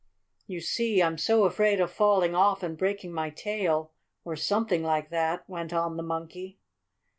"You see I'm so afraid of falling off and breaking my tail, or something like that," went on the Monkey.